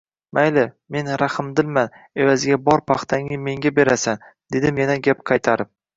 mayli, men rahmdilman, evaziga bor paxtangni menga berasan, – dedim yana “gap qaytarib”.